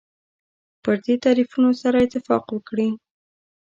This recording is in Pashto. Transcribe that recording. پر دې تعریفونو سره اتفاق وکړي.